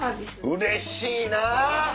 うれしいな！